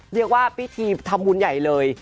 เรียกว่าพิธีทำบุญใหญ่เลย